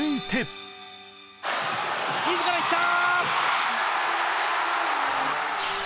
自ら行った！